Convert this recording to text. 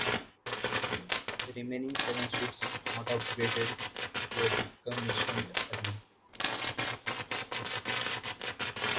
The remaining seven ships not upgraded were decommissioned early.